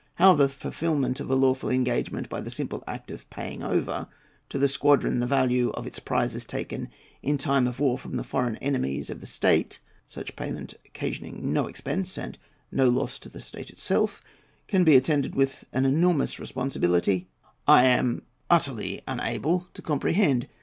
How the fulfilment of a lawful engagement by the simple act of paying over to the squadron the value of its prizes taken in time of war from the foreign enemies of the state (such payment occasioning no expense, and no loss to the state itself) can be attended with an enormous responsibility, I am utterly unable to comprehend.